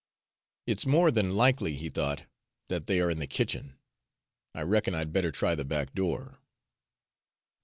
"It's more than likely," he thought, "that they are in the kitchen. I reckon I'd better try the back door."